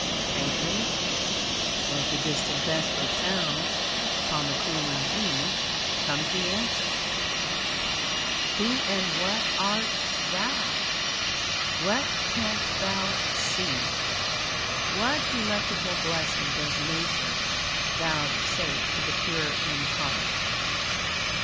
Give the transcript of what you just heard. Faintly, as the distant vesper sounds upon the cooling eve, comes the answer: "Who and what art thou? What canst thou see? What delectable blessing does Nature vouchsafe to the pure in heart?"